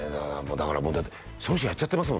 だからもうだってその人やっちゃってます